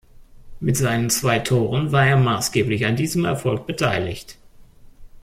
Mit seinen zwei Toren war er maßgeblich an diesem Erfolg beteiligt.